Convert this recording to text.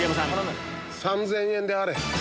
３０００円であれ。